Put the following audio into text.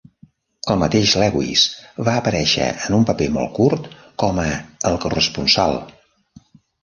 El mateix Lewis va aparèixer en un paper molt curt com a "El Corresponsal".